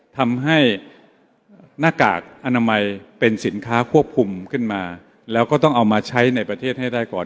ทำให้หน้ากากอนามัยเป็นสินค้าควบคุมขึ้นมาแล้วก็ต้องเอามาใช้ในประเทศให้ได้ก่อน